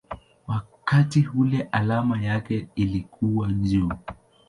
wakati ule alama yake ilikuwa µµ.